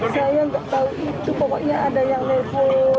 saya nggak tahu itu pokoknya ada yang nego